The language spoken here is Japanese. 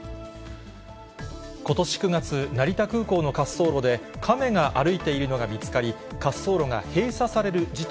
ことし９月、成田空港の滑走路でカメが歩いているのが見つかり、滑走路が閉鎖